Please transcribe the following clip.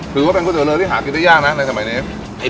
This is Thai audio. ถือว่าเป็นก๋วเรือที่หากินได้ยากนะในสมัยนี้